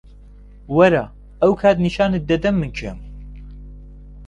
وەرە، ئەو کات نیشانت دەدەم من کێم.